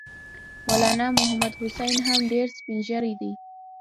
مولنا محمودالحسن هم ډېر سپین ږیری دی.